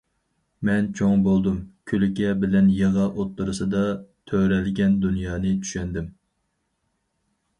مەن چوڭ بولدۇم كۈلكە بىلەن يىغا ئوتتۇرىسىدا تۆرەلگەن دۇنيانى چۈشەندىم.